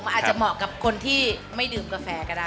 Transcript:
อาจจะเหมาะกับคนที่ไม่ดื่มกาแฟก็ได้